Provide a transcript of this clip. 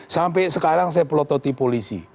sampai sekarang saya pelototi polisi